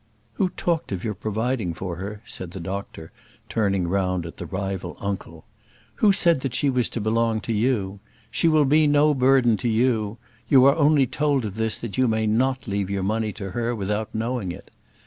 "Who talked of your providing for her?" said the doctor, turning round at the rival uncle. "Who said that she was to belong to you? She will be no burden to you; you are only told of this that you may not leave your money to her without knowing it.